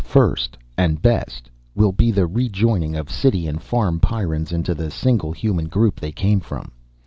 "First and best will be the rejoining of city and farm Pyrrans into the single human group they came from.